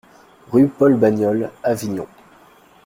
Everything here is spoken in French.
Rue Paul Bagnol, Avignon